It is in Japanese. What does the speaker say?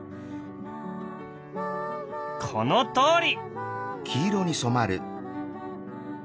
このとおり。